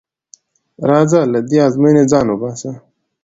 راځه له دې ازموینې ځان وباسه.